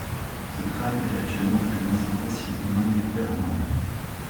Ce crâne est actuellement le plus ancien fossile humain découvert en Inde.